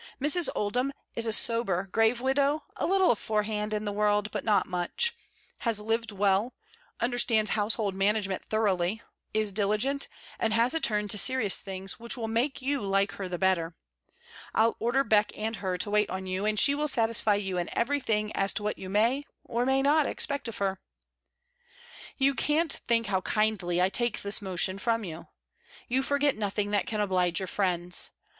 Mrs. Oldham is a sober, grave widow, a little aforehand, in the world, but not much; has lived well; understands house hold management thoroughly; is diligent; and has a turn to serious things, which will make you like her the better. I'll order Beck and her to wait on you, and she will satisfy you in every thing as to what you may, or may not expect of her. You can't think how kindly I take this motion from you. You forget nothing that can oblige your friends.